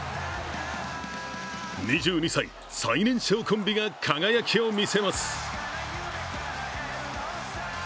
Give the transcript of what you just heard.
２２歳、最年少コンビが輝きを見せます。